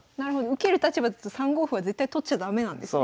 受ける立場だと３五歩は絶対取っちゃ駄目なんですね。